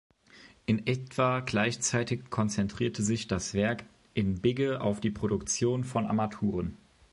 In etwa gleichzeitig konzentrierte sich das Werk in Bigge auf die Produktion von Armaturen.